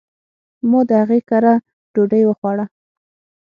ما د هغي کره ډوډي وخوړه